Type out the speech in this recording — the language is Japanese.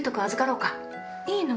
いいの？